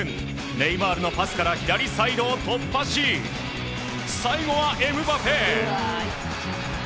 ネイマールのパスから左サイドを突破し最後はエムバペ。